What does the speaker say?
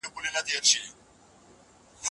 ښه دادی چي د سوغاتونو او تحفو پر ځای ولور اداء کړي